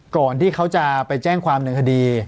ก่อนที่เขาจะไปแจ้งความหนึ่งคดี